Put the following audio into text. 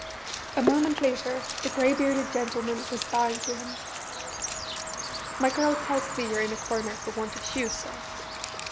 A moment later the grey bearded gentleman was bowing to him. "My girl tells me you're in a corner for want of shoes, Sir.